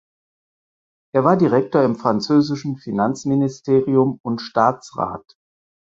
Er war Direktor im französischen Finanzministerium und Staatsrat.